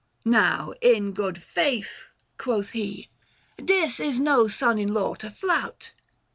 " Now, in good faith," quoth he, " Dis is no son in law to flout.